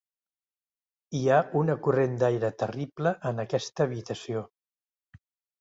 Hi ha una corrent d'aire terrible en aquesta habitació